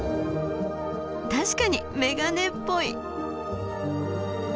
確かにメガネっぽい。